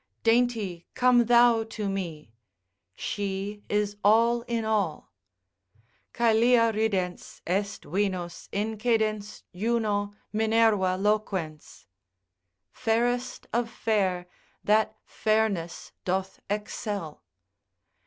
Dainty come thou to me. She is all in all, ———Caelia ridens Est Venus, incedens Juno, Minerva loquens. Fairest of fair, that fairness doth excel.